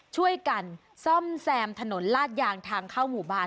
ช่วยกันซ่อมแซมถนนลาดยางทางเข้าหมู่บ้าน